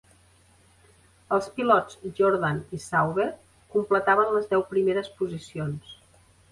Els pilots Jordan i Sauber completaven les deu primeres posicions.